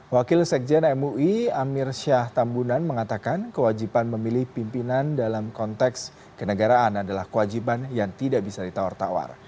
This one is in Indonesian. wakil sekjen mui amir syah tambunan mengatakan kewajiban memilih pimpinan dalam konteks kenegaraan adalah kewajiban yang tidak bisa ditawar tawar